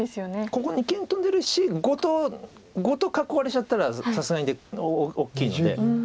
ここ二間トンでる石ごと囲われちゃったらさすがに大きいので。